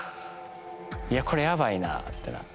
いやこれやばいなってなって。